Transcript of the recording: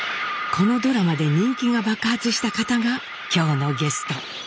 このドラマで人気が爆発した方が今日のゲスト。